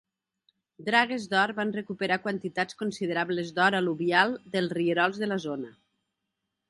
Dragues d'or van recuperar quantitats considerables d'or al·luvial dels rierols de la zona.